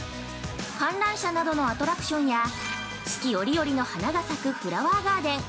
観覧車などのアトラクションや四季折々の花が咲くフラワーガーデン。